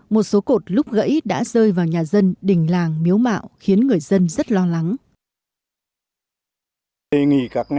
một số cột lúc gãy đã rơi vào nhà dân đình làng miếu mạo khiến người dân rất lo lắng